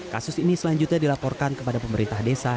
kasus ini selanjutnya dilaporkan kepada pemerintah desa